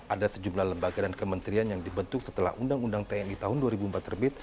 ada sejumlah lembaga dan kementerian yang dibentuk setelah undang undang tni tahun dua ribu empat terbit